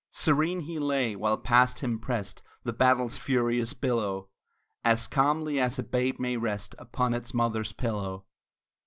Serene he lay, while past him pressed The battle's furious billow, As calmly as a babe may rest Upon its mother's pillow.